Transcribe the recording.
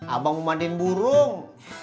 abang mau mandiin burung